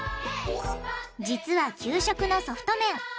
実は給食のソフト麺